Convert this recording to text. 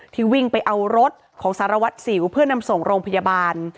วิ่งไปเอารถของสารวัตรสิวเพื่อนำส่งโรงพยาบาล